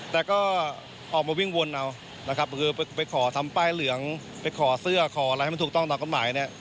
แต่ก็ออกมาวิ่งวนเอานะครับคือไปขอทำป้ายเหลืองไปขอเสื้อขออะไรให้มันถูกต้องตามกฎหมายเนี่ย